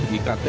urusan ini itu